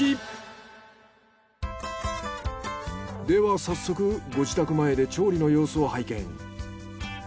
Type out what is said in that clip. では早速ご自宅前で調理のようすを拝見。